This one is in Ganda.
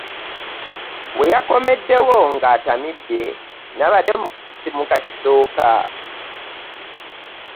We yakomeddewo ng'atamidde nabadde mu kisisimuka ekisooka.